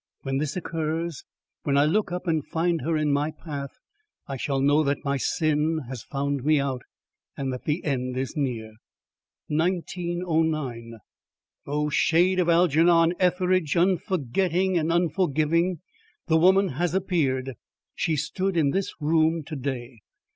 When this occurs, when I look up and find her in my path, I shall know that my sin has found me out and that the end is near. 1909 O shade of Algernon Etheridge, unforgetting and unforgiving! The woman has appeared! She stood in this room to day.